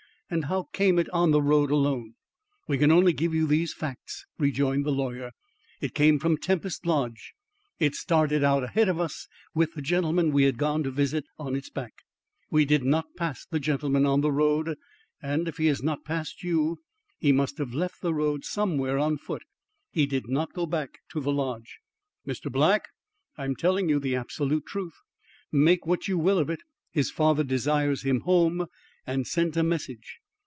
"And how came it on the road alone?" "We can only give you these facts," rejoined the lawyer. "It came from Tempest Lodge. It started out ahead of us with the gentleman we had gone to visit on its back. We did not pass the gentleman on the road, and if he has not passed you, he must have left the road somewhere on foot. He did not go back to the Lodge." "Mr. Black " "I am telling you the absolute truth. Make what you will of it. His father desires him home; and sent a message.